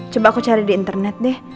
coba aku cari di internet deh